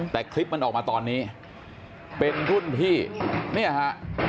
แต่คลิปมันออกมาตอนนี้เป็นรุ่นพี่เนี่ยฮะ